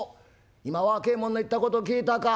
今若え者の言ったこと聞いたか？